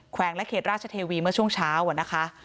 วงและเขตราชเทวีเมื่อช่วงเช้านะคะ